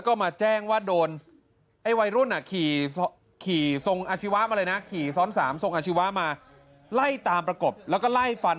คือในวันพธิมาก็มาก็เศ้รค์เสรรปรางอยากส่งเฟ